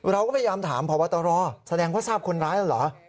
เราก็พยายามถามพบตรแสดงว่าทราบคนร้ายแล้วเหรอ